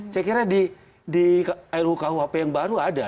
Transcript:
saya kira di rukuhp yang baru ada